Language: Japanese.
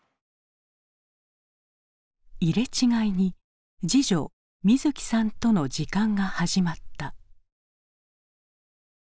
入れ違いに次女瑞起さんとの時間が始まった。